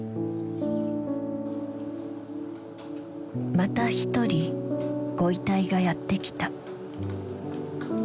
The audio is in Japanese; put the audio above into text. また一人ご遺体がやって来た。